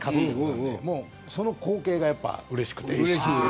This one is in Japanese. その光景がうれしくて。